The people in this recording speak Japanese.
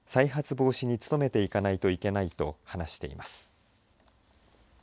再発防止に努めていかないといけないと話しています。